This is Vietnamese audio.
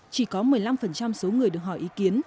chỉ có một mươi năm số người được hỏi ý kiến